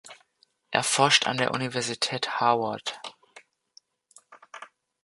Er forscht an der Universität Harvard.